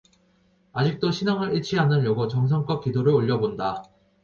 아직도 신앙을 잃지 않으려고 정성껏 기도를 올려 본다.